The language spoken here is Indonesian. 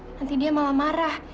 nanti dia malah marah